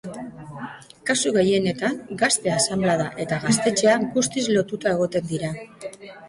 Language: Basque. Kasu gehienetan, Gazte asanblada eta Gaztetxea guztiz lotuta egoten dira.